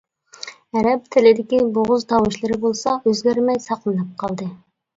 ئەرەب تىلىدىكى بوغۇز تاۋۇشلىرى بولسا ئۆزگەرمەي ساقلىنىپ قالدى.